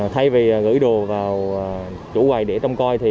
thay vì gửi đồ vào chủ quầy để trông coi